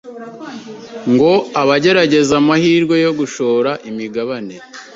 ngo abagerageza amahirwe yo gushora imigabane